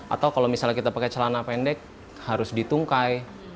atau kalau misalnya kita pakai celana pendek harus ditungkai